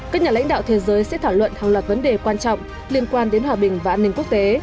các nhà lãnh đạo thế giới sẽ thảo luận hàng loạt vấn đề quan trọng liên quan đến hòa bình và an ninh quốc tế